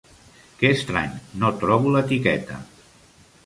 Que estrany, no trobo l'etiqueta!